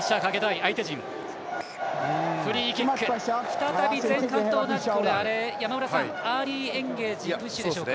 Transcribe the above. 再び前半と同じくアーリーエンゲージのプッシュでしょうか。